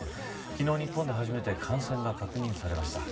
昨日、日本で初めて感染が確認されました。